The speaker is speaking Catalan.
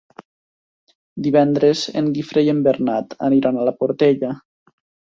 Divendres en Guifré i en Bernat aniran a la Portella.